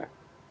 sehat siapa ya